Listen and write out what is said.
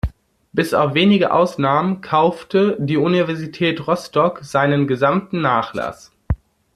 Bis auf wenige Ausnahmen kaufte die Universität Rostock seinen gesamten Nachlass.